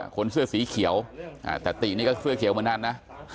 คนเสื้อสีเขียวแต่ตินี่ก็เสื้อเขียวเหมือนกันนะ